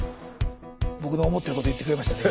僕の思ってること言ってくれましたね